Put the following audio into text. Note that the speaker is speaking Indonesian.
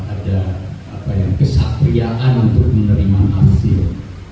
ada kesatriaan untuk menerima hasil